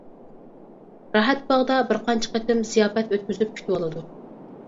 راھەتباغدا بىر قانچە قېتىم زىياپەت ئۆتكۈزۈپ كۈتۈۋالىدۇ.